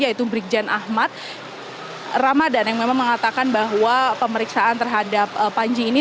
yaitu brigjen ahmad ramadan yang memang mengatakan bahwa pemeriksaan terhadap panji ini